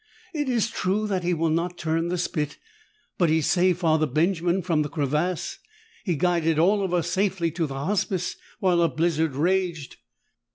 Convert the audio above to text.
It is true that he will not turn the spit, but he saved Father Benjamin from the crevasse! He guided all of us safely to the Hospice while a blizzard raged!"